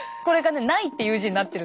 「無い」っていう字になってるの。